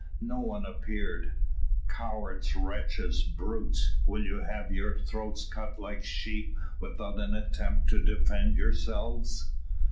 No one appeared. "Cowards, wretches, brutes, will you have your throats cut like sheep without an attempt to defend yourselves?